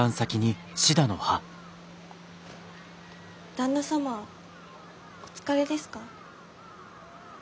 旦那様お疲れですか？